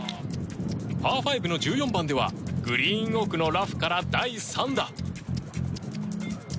パー５の１４番ではグリーン奥のラフから第３打。